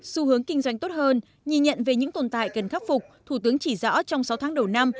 xu hướng kinh doanh tốt hơn nhìn nhận về những tồn tại cần khắc phục thủ tướng chỉ rõ trong sáu tháng đầu năm